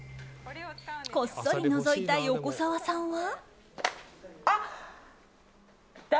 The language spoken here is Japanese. こっそりのぞいた横澤さんは。